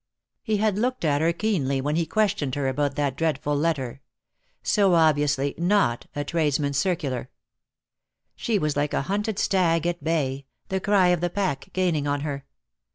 He had looked at her keenly when he questioned her about that dreadful letter — so obviously 7iot a tradesman's circular. She was like a hunted stag at bay, the cry of the pack gaining on her.